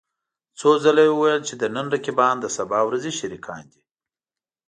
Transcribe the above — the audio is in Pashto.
څو ځله يې وويل چې د نن رقيبان د سبا ورځې شريکان دي.